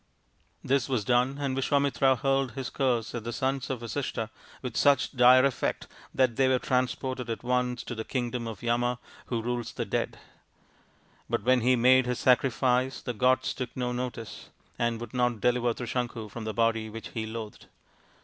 This was done, and Visvamitra hurled his curse at the sons of Vasishtha with such dire effect that they were transported at once to the kingdom of SAB ALA, THE SACRED COW 215 Yama, who rules the Dead. But when he made his sacrifice the gods took no notice, and would not deliver Trisanku from the body which he loathed.